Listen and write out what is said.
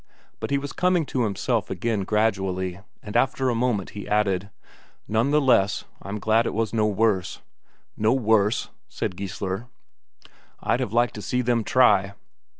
But he was coming to himself again gradually, and after a moment he added: "None the less, I'm glad it was no worse." "No worse?" said Geissler. "I'd have liked to see them try!"